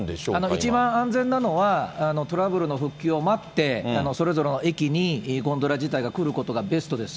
一番安全なのは、トラブルの復旧を待って、それぞれの駅にゴンドラ自体が来ることがベストです。